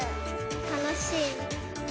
楽しい。